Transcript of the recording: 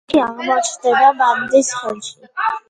დოკი აღმოჩნდება ბანდის ხელში.